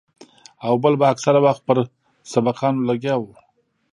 او بل به اکثره وخت پر سبقانو لګيا وو.